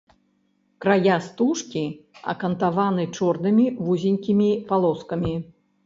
Края стужкі акантаваны чорнымі вузенькімі палоскамі.